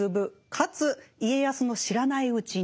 かつ家康の知らないうちに。